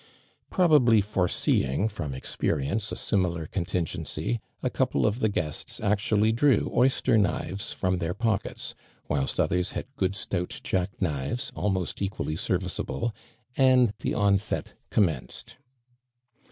Probably foreseeing, from experience, a similar contingency, a couple of the gueuts actually drew oyster kmves from their pockets, whilst others had good stout jack knives, almost equally serviceable, and the onset commenced.